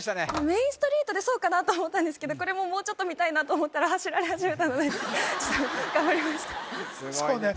メインストリートでそうかなと思ったんですけどこれももうちょっと見たいなと思ったら走られ始めたので頑張りました